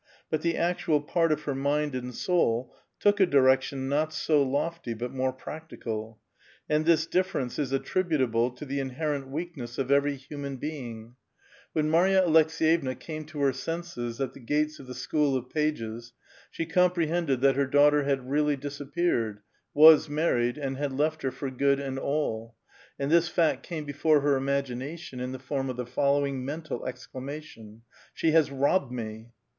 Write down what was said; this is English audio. But the actual part of her mind and soiil took a direction not so lofty, but more practical ; and this difference is attributable to the inherent weakness of every human be A VITAL QUESTION. 143 ing. When Mary a Aleks^yevna came to her senses, at the gates of the ''School of Pages," she comprehended that her dau<^hter had really disappeared, was married, and had left ^^r for good and all ; and this fact came before her imagina tion in the ioun of the following mental exclamation, She pa.s robbed me